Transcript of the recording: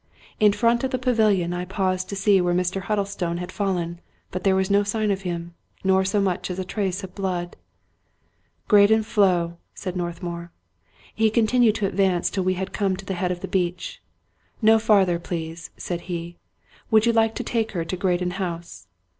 In front of the pavilion I paused to see where Mr. Huddlestone had fallen r but there was no sign of him, nor so much as a trace of blood. " Graden Floe," said Northmour. He continued to advance till we had come to the head of the beach. " No farther, please," said he. " Would you like to take her to Graden House